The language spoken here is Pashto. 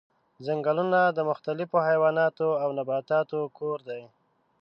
ځنګلونه د مختلفو حیواناتو او نباتاتو کور دي.